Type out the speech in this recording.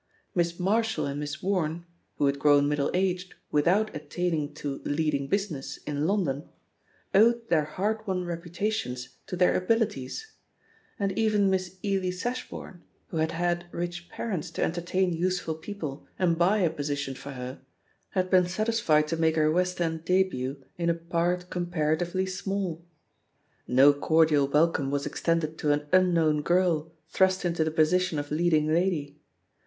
Miss Marshall and Miss Wame, who had grown mid dle aged without attaining to "leading business'' in London, owed their hard won reputations to their abilities; and even Miss Eley Sashbourne, who had had rich parents to entertain useful peo ple and buy a position for her, had been satisfied to make her West End debut in a part compara * tively smaU. No cordial welcome was extended to an unknown girl thrust into the position of leading lady.